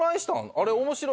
あれ」。